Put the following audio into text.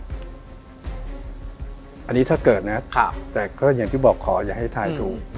อันนี้ถ้าเกิดนะแต่ก็อย่างที่บอกขออย่าให้ถ่ายถูก